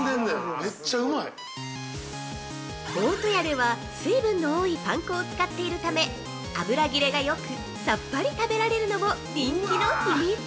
◆大戸屋では水分の多いパン粉を使っているため、油切れがよくさっぱり食べられるのも人気の秘密！